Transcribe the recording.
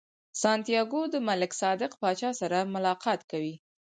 سانتیاګو د ملک صادق پاچا سره ملاقات کوي.